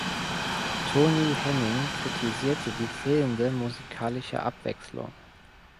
Toni Henning kritisierte die fehlende musikalische Abwechslung.